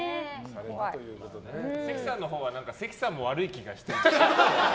関さんのほうは関さんも悪い気がして。